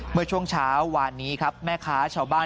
เมื่อช่วงเช้าวานนี้ครับแม่ค้าชาวบ้าน